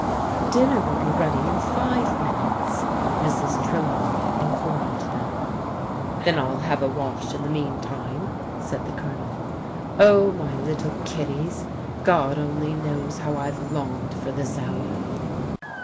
" Dinner will be ready in five minutes," Mrs. Tre lawney informed them. Then I'll have a wash in the meantime," said the Colonel. " Oh, my little kiddies, God only knows how I've longed for this hour."